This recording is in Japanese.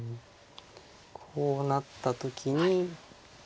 こうなった時に。